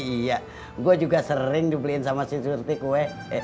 iya gue juga sering dibeliin sama si surti kue